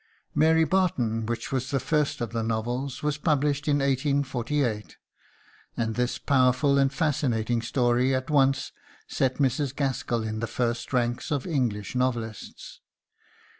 "Mary Barton," which was the first of the novels, was published in 1848, and this powerful and fascinating story at once set Mrs. Gaskell in the first rank of English novelists.